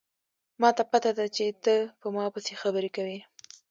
ما ته پته ده چې ته په ما پسې خبرې کوې